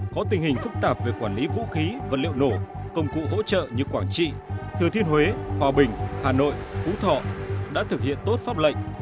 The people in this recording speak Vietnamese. có tình hình phức tạp về quản lý vũ khí vật liệu nổ công cụ hỗ trợ như quảng trị thừa thiên huế hòa bình hà nội phú thọ đã thực hiện tốt pháp lệnh